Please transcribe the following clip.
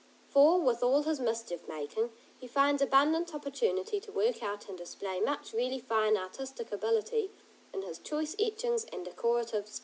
For, with all his mischief making, he finds abundant opportunity to work out and display much really fine artistic ability in his choice etchings and decorative schemes.